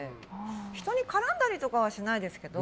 人に絡んだりとかはしないですけど。